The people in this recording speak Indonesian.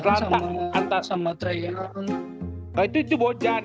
telantak kan sama traeilon